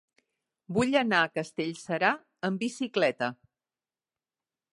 Vull anar a Castellserà amb bicicleta.